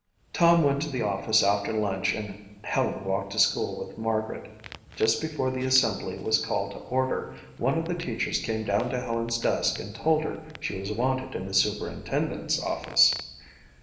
Tom went to the office after lunch and Helen walked to school with Margaret. Just before the assembly was called to order, one of the teachers came down to Helen's desk and told her she was wanted in the superintendent's office.